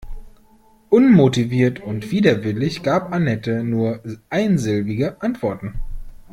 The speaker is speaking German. Unmotiviert und widerwillig gab Anette nur einsilbige Antworten.